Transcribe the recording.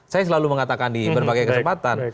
saya selalu mengatakan di berbagai kesempatan